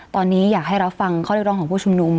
ตอนนี้อยากให้รับฟังข้อเรียกร้องของผู้ชุมนุม